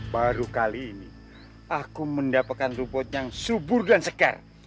baru kali ini aku mendapatkan rumput yang subur dan segar